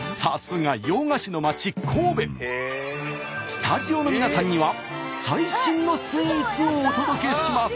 スタジオの皆さんには最新のスイーツをお届けします！